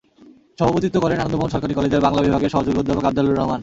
সভাপতিত্ব করেন আনন্দ মোহন সরকারি কলেজের বাংলা বিভাগের সহযোগী অ্যধাপক আফজালুর রহমান।